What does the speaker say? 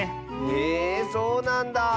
えそうなんだ！